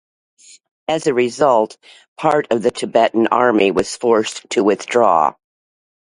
As a result, part of the Tibetan army was forced to withdraw.